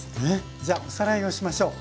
じゃあおさらいをしましょう。